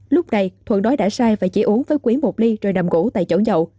lúc này thuận nói đã sai và chỉ uống với quý một ly rồi nằm ngủ tại chỗ nhậu